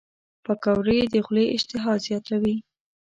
پکورې د خولې اشتها زیاتوي